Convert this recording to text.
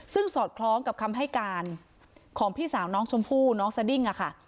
ซึ่งสอดคล้องกับคำให้การของพี่สาวน้องชมพู่น้องสดิ้งค่ะ